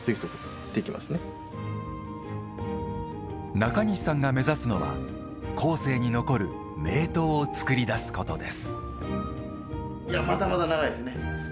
中西さんが目指すのは後世に残る名刀を作り出すことです。